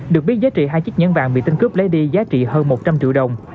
được biết giá trị hai chiếc nhẫn vàng bị tên cướp lấy đi giá trị hơn một trăm linh triệu đồng